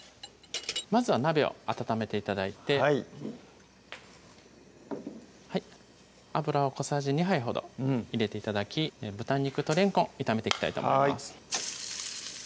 まずは鍋を温めて頂いてはい油を小さじ２杯ほど入れて頂き豚肉とれんこん炒めていきたいと思います